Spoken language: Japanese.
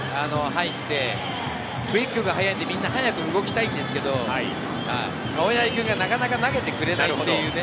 クイックが速いんでみんな早く動きたいんですけど、青柳君がなかなか投げてくれないっていうね。